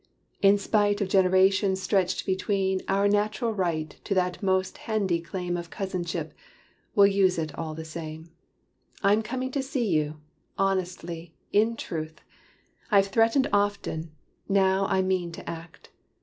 (In spite of generations stretched between Our natural right to that most handy claim Of cousinship, we'll use it all the same) I'm coming to see you! honestly, in truth! I've threatened often now I mean to act.